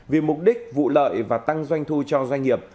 vì mục đích vụ lợi và tăng doanh thu cho doanh nghiệp